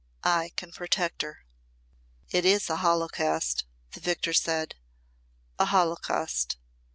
I can protect her." "It is a holocaust," the Vicar said, " a holocaust."